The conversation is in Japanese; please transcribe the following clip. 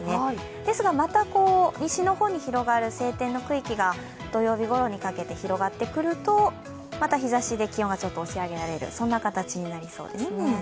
ですがまた西の方に広がる晴天の区域が土曜日にかけて広がってくると、また気温が押し上げられる、そんな形になりそうですね。